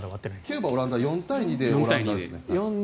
キューバ・オランダは４対２でオランダですね。